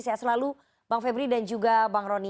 sehat selalu bang febri dan juga bang roni